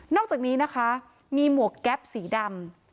อกจากนี้นะคะมีหมวกแก๊ปสีดำ